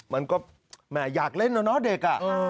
มันก็แหมอยากเล่นแล้วเนาะเด็ก